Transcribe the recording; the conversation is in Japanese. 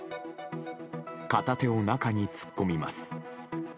片手を中に突っ込みます。